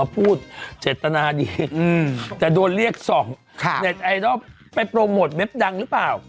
พูดเจตนาดีแต่โดนเรียกส่องเน็ตไอดอลไปโปรโมทเม็บดังหรือเปล่า